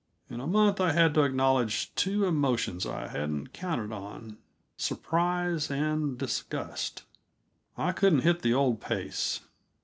In a month I had to acknowledge two emotions I hadn't counted on: surprise and disgust. I couldn't hit the old pace.